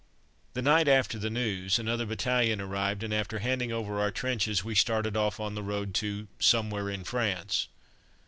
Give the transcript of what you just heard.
The night after the news, another battalion arrived, and, after handing over our trenches, we started off on the road to "Somewhere in France."